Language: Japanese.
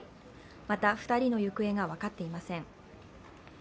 また、２人の行方が分かっていません。